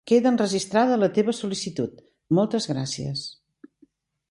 Queda registrada la teva sol·licitud, moltes gràcies!